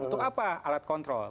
untuk apa alat kontrol